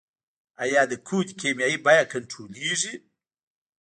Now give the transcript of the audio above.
آیا د کود کیمیاوي بیه کنټرولیږي؟